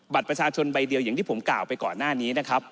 บัตรประชาชนใบเดียวอย่างที่ผมกล่าวไปก่อนหน้านี้นะครับ